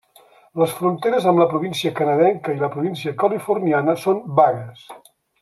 Les fronteres amb la província canadenca i la província californiana són vagues.